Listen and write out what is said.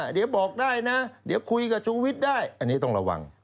เดี๋ยวบอกได้นะเดี๋ยวคุยกับชูวิทย์ได้อันนี้ต้องระวัง